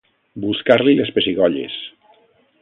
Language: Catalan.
Buscar-li les pessigolles.